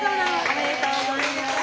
おめでとうございます。